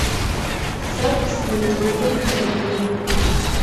Саб снеиҿаԥеит саргьы.